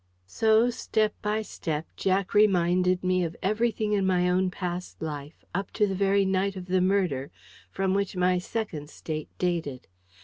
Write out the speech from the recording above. So, step by step, Jack reminded me of everything in my own past life, up to the very night of the murder, from which my Second State dated.